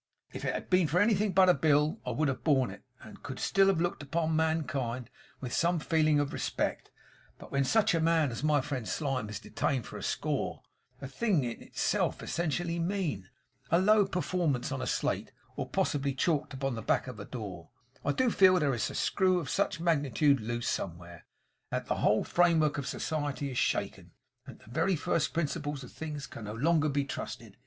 'If it had been for anything but a bill, I could have borne it, and could still have looked upon mankind with some feeling of respect; but when such a man as my friend Slyme is detained for a score a thing in itself essentially mean; a low performance on a slate, or possibly chalked upon the back of a door I do feel that there is a screw of such magnitude loose somewhere, that the whole framework of society is shaken, and the very first principles of things can no longer be trusted.